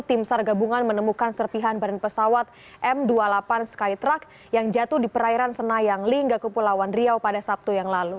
tim sar gabungan menemukan serpihan badan pesawat m dua puluh delapan skytruck yang jatuh di perairan senayang lingga kepulauan riau pada sabtu yang lalu